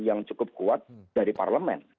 yang cukup kuat dari parlemen